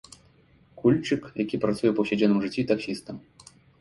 Кульчык, які працуе ў паўсядзённым жыцці таксістам.